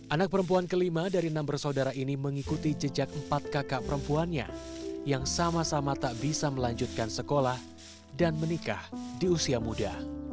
anak perempuan kelima dari enam bersaudara ini mengikuti jejak empat kakak perempuannya yang sama sama tak bisa melanjutkan sekolah dan menikah di usia muda